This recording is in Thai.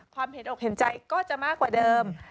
เห็นอกเห็นใจก็จะมากกว่าเดิม